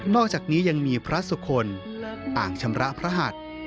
อกจากนี้ยังมีพระสุคลต่างชำระพระหัส